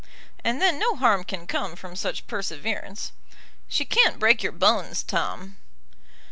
And then no harm can come from such perseverance. "She can't break your bones, Tom."